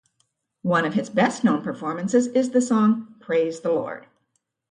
One of his best-known performances is the song "Praise the Lord".